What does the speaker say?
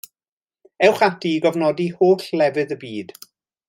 Ewch ati i gofnodi holl lefydd y byd.